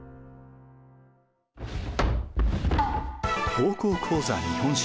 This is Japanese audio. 「高校講座日本史」。